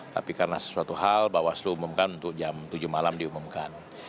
tapi karena sesuatu hal bawaslu umumkan untuk jam tujuh malam diumumkan